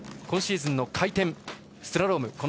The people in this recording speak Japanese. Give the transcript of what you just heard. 今シーズンの回転、スラローム